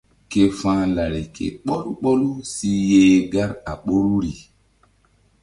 Ke fa̧h lari ke ɓɔlu ɓɔlu si yeh gar a ɓoruri.